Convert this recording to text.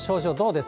です。